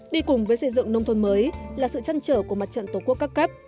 đi cùng với xây dựng nông thôn mới là sự trăn trở của mặt trận tổ quốc các cấp